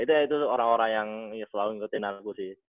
itu ya itu orang orang yang selalu ngikutin aku sih